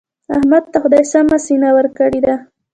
احمد ته خدای سمه سینه ورکړې ده.